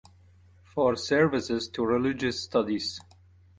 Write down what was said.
For services to religious studies.